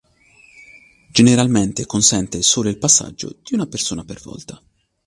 Generalmente consente solo il passaggio di una persona per volta.